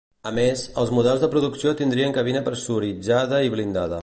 A més, els models de producció tindrien cabina pressuritzada i blindada.